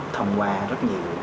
thông qua rất nhiều